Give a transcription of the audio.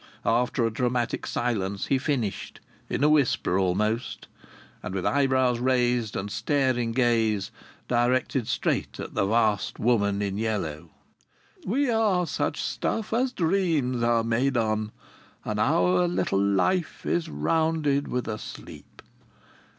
After a dramatic silence, he finished, in a whisper almost, and with eyebrows raised and staring gaze directed straight at the vast woman in yellow: "We are such stuff as drames are made on; and our little life is rounded with a sleep.